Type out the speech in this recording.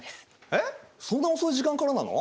えっそんな遅い時間からなの？